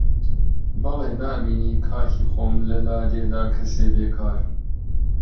بەڵێ نابینی کاکی خۆم لە لادێدا کەسێ بێکار